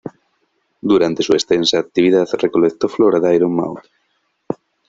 Durante su extensa actividad recolectó flora de Iron Mtn.